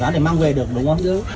rán để mang về được đúng không